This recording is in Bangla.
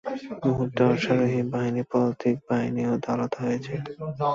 মুহূর্তে অশ্বারোহী বাহিনী পদাতিক বাহিনী হতে আলাদা হয়ে যায়।